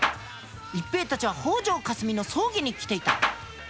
一平たちは北條かすみの葬儀に来ていた。